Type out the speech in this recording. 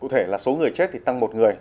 cụ thể là số người chết thì tăng một người